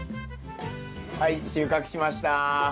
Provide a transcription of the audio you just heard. はい収穫しました。